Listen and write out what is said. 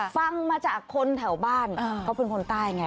ฟังมาจากคนแถวบ้านเขาเป็นคนใต้ไง